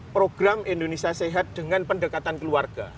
program indonesia sehat dengan pendekatan keluarga